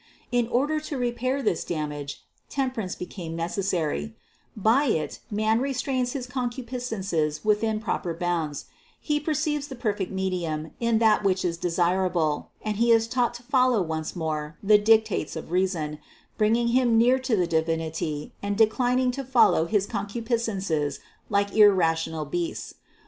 In order to repair this dam age, temperance became necessary; by it man restrains his concupiscences within proper bounds ; he perceives the perfect medium in that which is desirable and he is taught to follow once more the dictates of reason, bringing him near to the Divinity and declining to follow his concu piscences like irrational beasts.